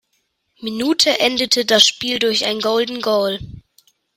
Minute endete das Spiel durch ein Golden Goal.